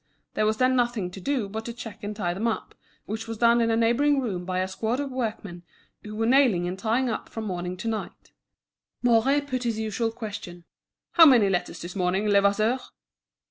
There was then nothing to do but to check and tie them up, which was done in a neighbouring room by a squad of workmen who were nailing and tying up from morning to night. Mouret put his usual question: "How many letters this morning, Levasseur?"